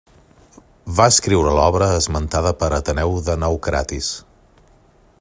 Va escriure l'obra esmentada per Ateneu de Naucratis.